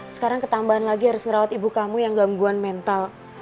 sekarang ketambahan lagi harus ngerawat ibu kamu yang gangguan mental